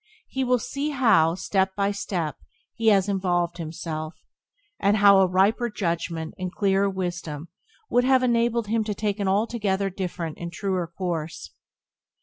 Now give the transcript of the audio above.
He will see how, step by step, he has involved himself, and how a riper judgment and clearer wisdom would have enabled him to take an altogether different and truer course.